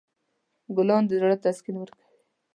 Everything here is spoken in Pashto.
ګلان د زړه تسکین ورکوي.